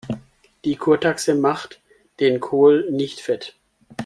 Die Kurtaxe macht den Kohl nicht fett.